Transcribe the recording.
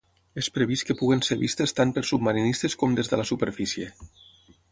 És previst que puguin ser vistes tant per submarinistes com des de la superfície.